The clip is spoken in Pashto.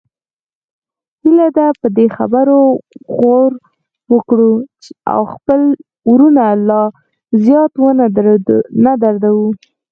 هیله ده په دې خبرو غور وکړو او خپل وروڼه لا زیات ونه دردوو